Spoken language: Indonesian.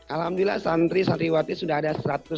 alhamdulillah santri santri wati sudah ada satu ratus delapan